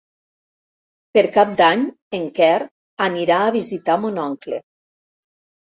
Per Cap d'Any en Quer anirà a visitar mon oncle.